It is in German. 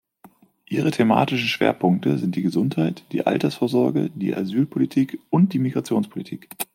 Ihre thematischen Schwerpunkte sind die Gesundheit, die Altersvorsorge, die Asylpolitik und die Migrationspolitik.